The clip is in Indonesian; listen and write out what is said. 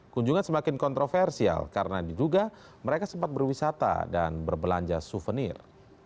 kunjungan semakin kontroversial karena diduga mereka sempat berwisata dan berbelanja souvenir